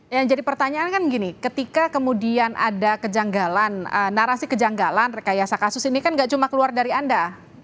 yang jadi pertanyaan kan gini ketika kemudian ada kejanggalan narasi kejanggalan rekayasa kasus ini kan gak cuma keluar dari anda